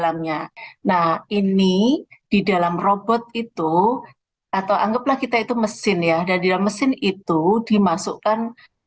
atau anggap lah kita itu mesin ya dan di mesin itu dimasukkan